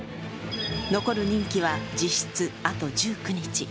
残る任期は実質あと１９日。